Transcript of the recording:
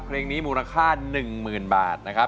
เพลงนี้มูลค่า๑๐๐๐บาทนะครับ